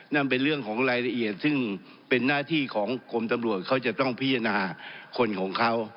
นั่นเป็นเรื่องของรายละเอียดซึ่งเป็นหน้าที่ของกรมตำรวจเขาจะต้องพิจารณาคนของเขา